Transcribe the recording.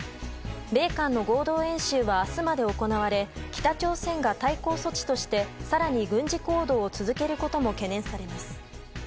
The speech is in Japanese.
米韓の合同演習は明日まで行われ北朝鮮が対抗措置として更に軍事行動を続けることも懸念されます。